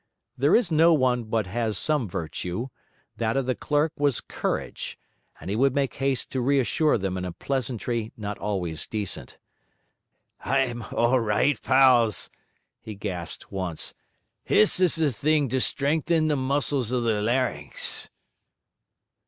There is no one but has some virtue: that of the clerk was courage; and he would make haste to reassure them in a pleasantry not always decent. 'I'm all right, pals,' he gasped once: 'this is the thing to strengthen the muscles of the larynx.'